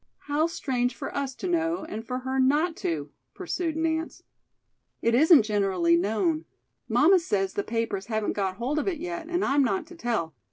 "How strange for us to know and for her not to!" pursued Nance. "It isn't generally known. Mamma says the papers haven't got hold of it yet, and I'm not to tell.